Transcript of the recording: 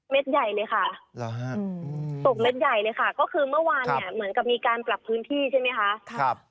ใหญ่เลยค่ะตกเม็ดใหญ่เลยค่ะก็คือเมื่อวานเนี่ยเหมือนกับมีการปรับพื้นที่ใช่ไหมคะ